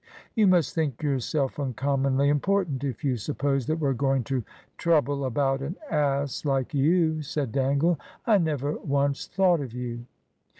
"You must think yourself uncommonly important if you suppose we're going to trouble about an ass like you," said Dangle. "I never once thought of you."